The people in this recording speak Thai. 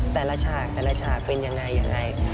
แต่ละฉากแต่ละฉากเป็นอย่างไรอย่างไร